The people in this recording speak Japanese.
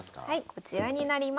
こちらになります。